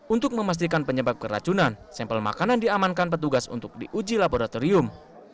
untuk memastikan penyebab keracunan sampel makanan diamankan petugas untuk diuji laboratorium